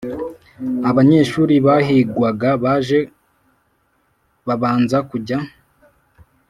Abanyeshuri Bahigwaga Baje Babanza Kujya